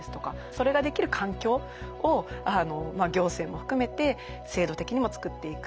それができる環境を行政も含めて制度的にも作っていく。